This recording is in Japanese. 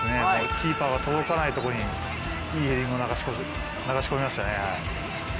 キーパーが届かないところに、いいヘディングを流し込みましたね。